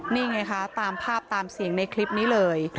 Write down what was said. นี่ไงคะตามภาพตามเสียงในคลิปนี้เลย